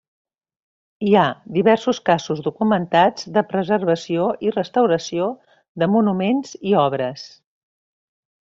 Hi ha diversos casos documentats de preservació i restauració de monuments i obres.